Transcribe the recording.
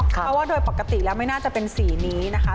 เพราะว่าโดยปกติแล้วไม่น่าจะเป็นสีนี้นะคะ